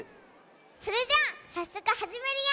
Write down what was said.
それじゃあさっそくはじめるよ！